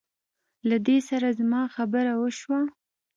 له دې سره زما خبره وشوه.